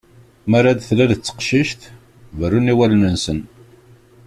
Mi ara d-tlal d teqcict, berrun i wallen-nsen.